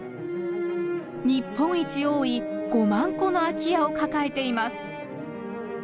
日本一多い５万戸の空き家を抱えています。